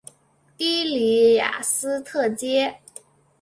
的里雅斯特街。